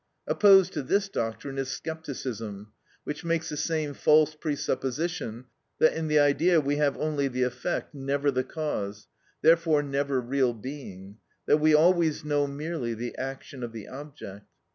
Opposed to this doctrine is scepticism, which makes the same false presupposition that in the idea we have only the effect, never the cause, therefore never real being; that we always know merely the action of the object.